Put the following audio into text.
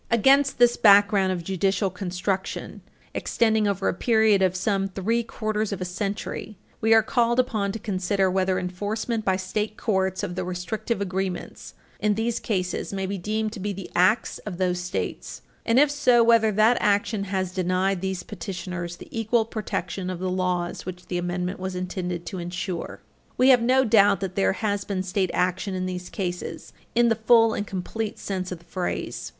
III Against this background of judicial construction, extending over a period of some three quarters of a century, we are called upon to consider whether enforcement by state courts of the restrictive agreements in these cases may be deemed to be the acts of those States, and, if so, whether that action has denied these petitioners the equal protection of the laws which the Amendment was intended to insure. Page 334 U. S. 19 We have no doubt that there has been state action in these cases in the full and complete sense of the phrase.